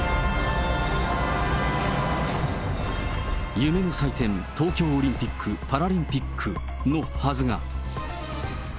夢の祭典、東京オリンピック・パラリンピックのはずが。